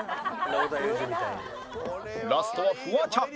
ラストはフワちゃん